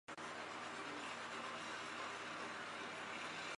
苞片狸藻为狸藻属中型似多年生食虫植物。